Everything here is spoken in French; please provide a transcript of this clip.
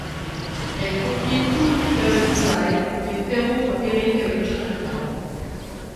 Elle conquit tout l'Upper East Side mais fait rompre Eric avec Jonathan.